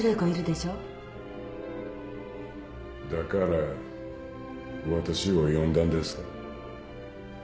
だからわたしを呼んだんですか？